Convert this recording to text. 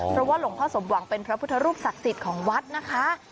เพราะว่าหลวงพ่อสมหวังเป็นพระพุทธรูปศักดิ์สิทธิ์ของวัดนะคะ